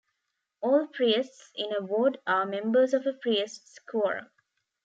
All priests in a ward are members of a priests quourm.